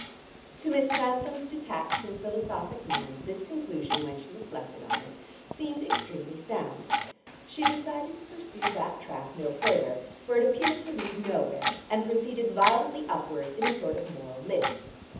To Miss Grantham's detached and philosophic mind this conclusion, when she reflected on it, seemed extremely sound. She decided to pursue that track no further, for it appeared to lead nowhere, and proceeded violently upwards in a sort of moral lift.